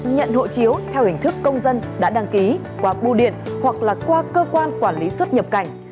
nhận hộ chiếu theo hình thức công dân đã đăng ký qua bưu điện hoặc là qua cơ quan quản lý xuất nhập cảnh